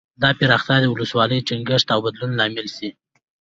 دا پراختیا د ولسواکۍ ټینګښت او بدلون لامل شي.